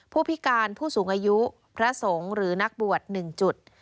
ผู้พิการผู้สูงอายุพระสงฆ์หรือนักบวช๑จุด